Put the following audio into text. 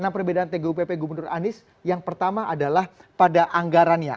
perbedaan tgupp gubernur anies yang pertama adalah pada anggarannya